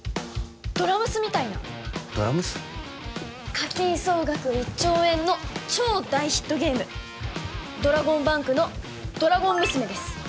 課金総額１兆円の超大ヒットゲームドラゴンバンクのドラゴン娘です